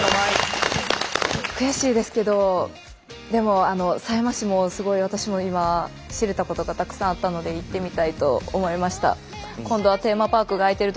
悔しいですけどでも狭山市も私も今知れたことがたくさんあったので行ってみたいと思いました。